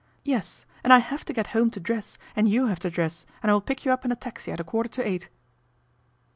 " Yes, and I have to get home to dress and you have to dress and I will pick you up in a taxi at a quarter to eight."